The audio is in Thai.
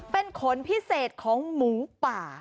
เป็นขนพิเศษของหมูป่า